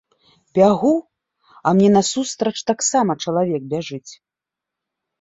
Бягу, а мне насустрач таксама чалавек бяжыць.